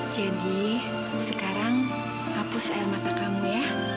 jadi sekarang hapus air mata kamu ya